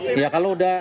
enggak kalau saya ikut